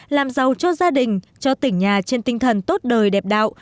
làm giàu cho gia đình cho tỉnh nhà trên tinh thần tốt đời đẹp đạo